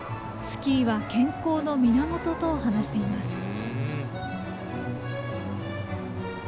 「スキーは健康の源」と話しています。